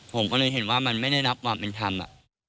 ผมก็เลยเห็นว่ามันไม่ได้รับความเป็นธรรมอ่ะ